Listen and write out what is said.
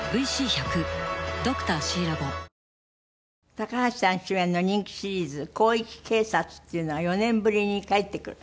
高橋さん主演の人気シリーズ『広域警察』っていうのが４年ぶりに帰ってくる？